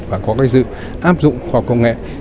và có cách dự áp dụng khoa công nghệ